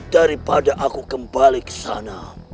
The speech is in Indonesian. daripada aku kembali ke sana